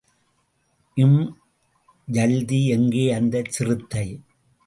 ம், ஜல்தி... எங்கே அந்தச் சிறுத்தை?